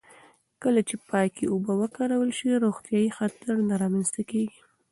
کله چې پاکې اوبه وکارول شي، روغتیايي خطر نه رامنځته کېږي.